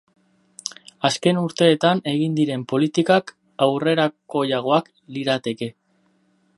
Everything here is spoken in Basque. Azken urteetan egin diren politikak aurrerakoiagoak lirateke.